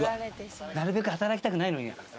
なるべく働きたくないのに。